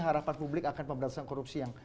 harapan publik akan pemberantasan korupsi yang